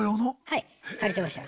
はい借りてました。